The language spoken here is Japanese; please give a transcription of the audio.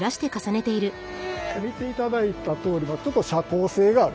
見ていただいたとおりちょっと遮光性がある。